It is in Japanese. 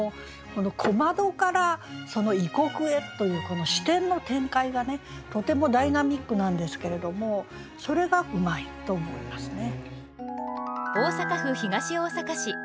この「小窓」から「異国」へというこの視点の展開がねとてもダイナミックなんですけれどもそれがうまいと思いますね。